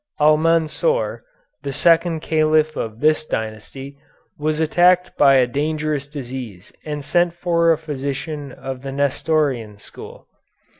Almansor, the second Caliph of this dynasty, was attacked by a dangerous disease and sent for a physician of the Nestorian school.